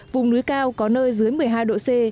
vùng núi cao có nơi dưới một mươi hai độ c